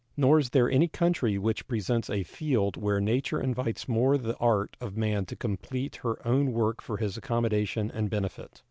Nor is there any country which presents a field where nature invites more the art of man to complete her own work for his accommodation and benefit.